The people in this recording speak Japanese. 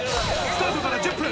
スタートから１０分。